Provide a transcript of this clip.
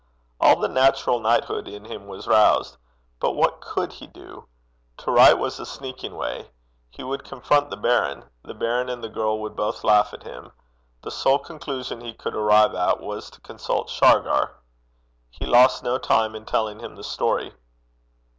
All the natural knighthood in him was roused. But what could he do? To write was a sneaking way. He would confront the baron. The baron and the girl would both laugh at him. The sole conclusion he could arrive at was to consult Shargar. He lost no time in telling him the story.